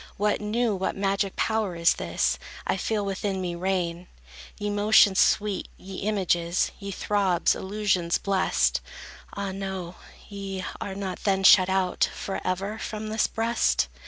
What new, what magic power is this, I feel within me reign? Ye motions sweet, ye images, Ye throbs, illusions blest, Ah, no,—ye are not then shut out Forever from this breast?